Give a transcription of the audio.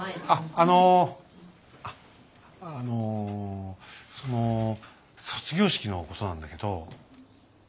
あのあっあのその卒業式のことなんだけど。